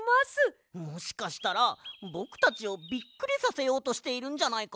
もしかしたらぼくたちをびっくりさせようとしているんじゃないか？